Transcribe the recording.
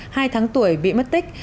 hai tháng tuổi bị mất tích